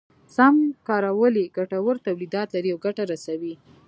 سم کارول يې ګټور توليدات لري او ګټه رسوي.